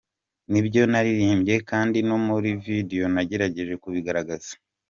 Nibyo naririmbye kandi no muri video nagerageje kubigaragaza…”.